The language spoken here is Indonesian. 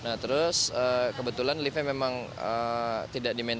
nah terus kebetulan liftnya memang tidak dimental